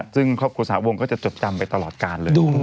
ซึ่งครอบครัวสหวงก็จะจดจำไปตลอดกาลเลย